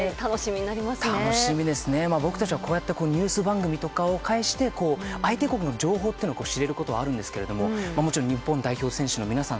僕たちはニュース番組を介して相手国の情報を知れることはあるんですがもちろん日本代表選手の皆さん